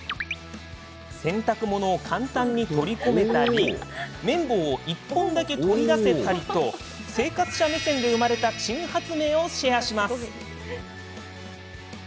洗濯物を簡単に取り込めたり綿棒を１本だけ取り出せたりと生活者目線で生まれた珍発明をシェアします。